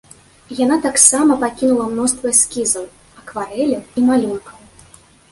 Яна таксама пакінула мноства эскізаў, акварэляў і малюнкаў.